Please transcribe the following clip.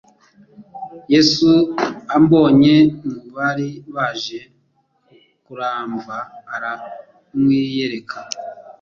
Yesu amubonye mu bari baje kuramva aramwiyereka